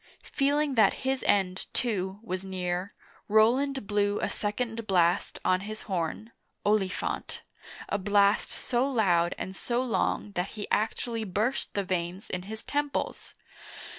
Feeling that his end, too, was near, Roland blew a second blast on his horn (" Oli phant *')— a blast so loud and so long that he actually burst the veins in his temples